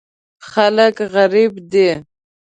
خلک غریب دي.